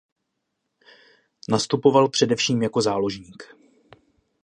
Nastupoval především jako záložník.